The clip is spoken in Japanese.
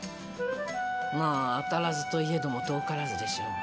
まあ当たらずといえども遠からずでしょう。